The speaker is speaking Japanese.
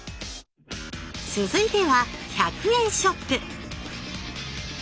続いては１００円ショップ